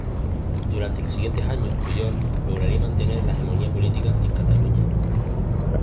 Durante los siguientes años Pujol lograría mantener la hegemonía política en Cataluña.